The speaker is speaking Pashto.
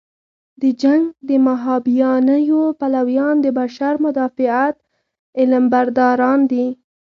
د جنګ د مهابیانیو پلویان د بشر مدافعت علمبرداران دي.